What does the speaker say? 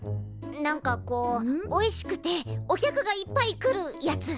なんかこうおいしくてお客がいっぱい来るやつ。